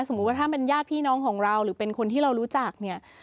ว่าถ้าเป็นญาติพี่น้องของเราหรือเป็นคนที่เรารู้จักเนี่ย